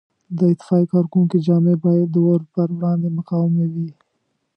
د اطفایې کارکوونکو جامې باید د اور په وړاندې مقاومې وي.